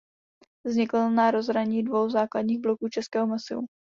Vznikl na rozhraní dvou základních bloků Českého masívu.